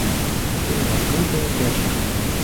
Цяпер ён адкрыты і ачышчаны.